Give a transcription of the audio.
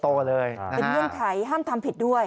เป็นเงื่อนไขห้ามทำผิดด้วย